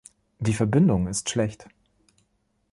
Die Verbindung ist schlecht